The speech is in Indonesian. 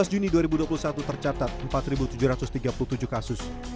dua belas juni dua ribu dua puluh satu tercatat empat tujuh ratus tiga puluh tujuh kasus